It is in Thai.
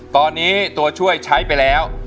ตอนนี้ตัวช่วยใช้ไปแล้ว